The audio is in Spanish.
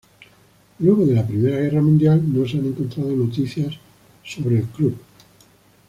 Luego de la Primera Guerra Mundial, no se han encontrado noticias acerca del club.